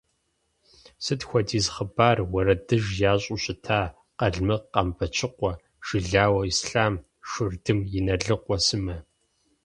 Сыт хуэдиз хъыбар, уэрэдыжь ящӏэу щыта Къалмыкъ Къамбэчыкъуэ, Жылау Ислъам, Шурдым Иналыкъуэ сымэ.